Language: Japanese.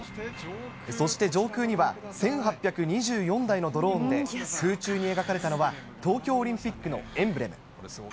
そして上空には、１８２４台のドローンで空中に描かれたのは、東京オリンピックのエンブレム。